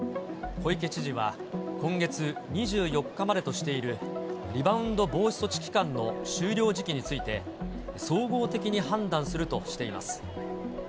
小池知事は、今月２４日までとしているリバウンド防止措置期間の終了時期について、総合的に判断するとしています。